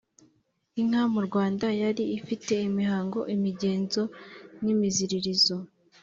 inka mu rwanda yari ifite imihango, imigenzo n’imiziririzo